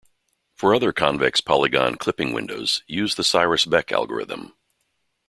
For other convex polygon clipping windows, use the Cyrus-Beck algorithm.